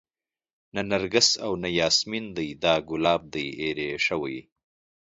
نه نرګس او نه ياسمن دى دا ګلاب دى ايرې شوى